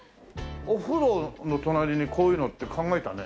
お風呂の隣にこういうのって考えたね。